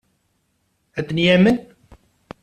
Ad ten-yamen?